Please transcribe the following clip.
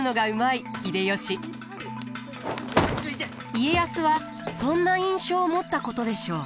家康はそんな印象を持ったことでしょう。